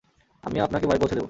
আমি আপনাকে বাড়ি পৌঁছে দেবো।